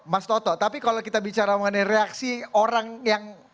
mas toto tapi kalau kita bicara mengenai reaksi orang yang